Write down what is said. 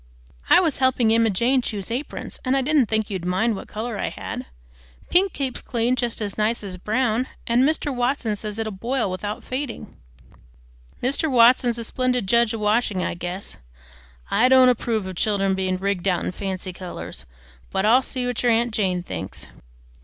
"I was helping Emma Jane choose aprons, and didn't think you'd mind which color I had. Pink keeps clean just as nice as brown, and Mr. Watson says it'll boil without fading." "Mr. Watson 's a splendid judge of washing, I guess. I don't approve of children being rigged out in fancy colors, but I'll see what your aunt Jane thinks."